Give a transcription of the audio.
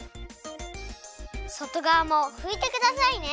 外がわもふいてくださいね。